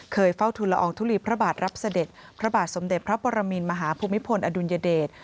เฝ้าทุลอองทุลีพระบาทรับเสด็จพระบาทสมเด็จพระปรมินมหาภูมิพลอดุลยเดช